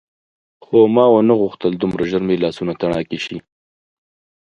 خو ما ونه غوښتل دومره ژر مې لاسونه تڼاکي شي.